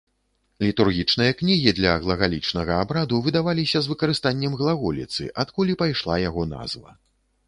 Літургічныя кнігі для глагалічнага абраду выдаваліся з выкарыстаннем глаголіцы, адкуль і пайшла яго назва.